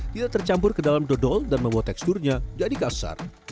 tidak tercampur ke dalam dodol dan membuat teksturnya jadi kasar